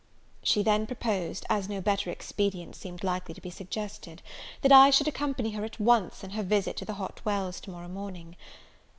She then proposed, as no better expedient seemed likely to be suggested, that I should accompany her at once in her visit to the Hot Wells to morrow morning.